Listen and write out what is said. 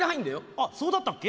あそうだったっけ？